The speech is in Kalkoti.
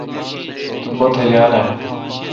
تو پوتھ یال اؘ۔